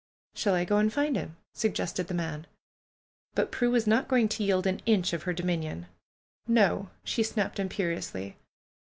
^^Shall I go and find him?" suggested the man. But Prue was not going to yield an inch of her do minion. "No!" she snapped imperiously.